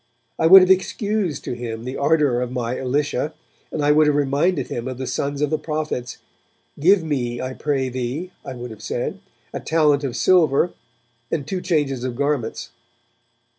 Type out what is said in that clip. I would have excused to him the ardour of my Elisha, and I would have reminded him of the sons of the prophets 'Give me, I pray thee,' I would have said, 'a talent of silver and two changes of garments.'